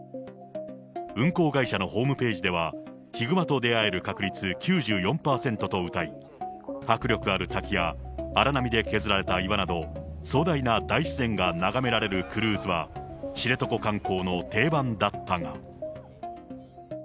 運航会社のホームページでは、ヒグマと出会える確率９４％とうたい、迫力ある滝や、荒波で削られた岩など、壮大な大自然が眺められるクルーズは、知床観光の定番だったが。